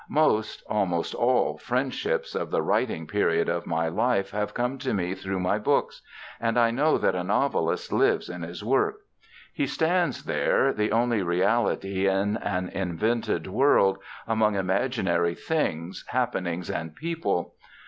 Most, almost all, friendships of the writing period of my life have come to me through my books; and I know that a novelist lives in his work. He stands there, the only reality in an invented world, among imaginary things, happenings, and people.